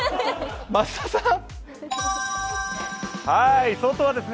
増田さん！